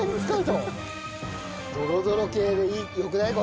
ドロドロ系でよくない？